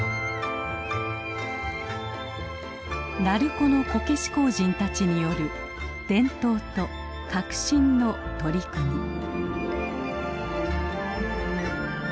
鳴子のこけし工人たちによる伝統と革新の取り組み。